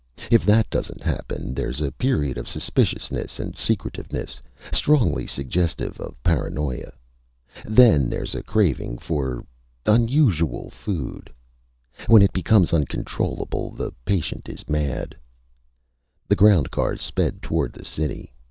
If that doesn't happen, there's a period of suspiciousness and secretiveness strongly suggestive of paranoia. Then there's a craving for unusual food. When it becomes uncontrollable, the patient is mad!" The ground cars sped toward the city.